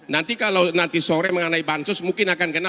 nanti kalau sore mengenai bansus mungkin akan kena lima puluh